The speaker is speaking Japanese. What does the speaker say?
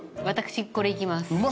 私これいきます。